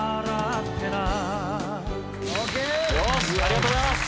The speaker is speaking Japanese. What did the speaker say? ありがとうございます。